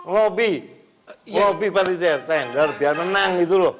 robi robi panitia tender biar menang gitu loh